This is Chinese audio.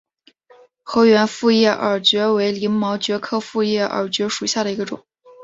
河源复叶耳蕨为鳞毛蕨科复叶耳蕨属下的一个种。